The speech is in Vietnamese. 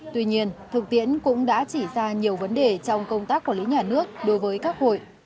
tuy nhiên thực tiễn cũng đã chỉ ra nhiều vấn đề trong công tác quản lý nhà nước đối với các hội